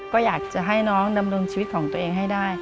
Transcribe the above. ก็อยากจะให้น้องดำรงชีวิตของตัวเองให้ได้